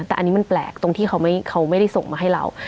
แต่อันนี้มันแปลกตรงที่เขาไม่ได้ส่งมาให้เรา